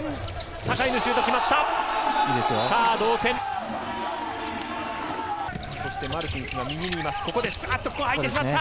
坂井のシュートが決まった。